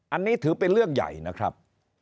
อันนี้ถือเป็นเรื่องใหญ่นะครับ